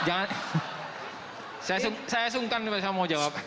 jangan saya sungkan nih pak saya mau jawab